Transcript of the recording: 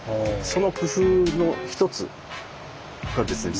その工夫の一つがですね